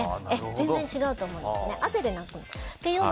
全然違うと思いますね。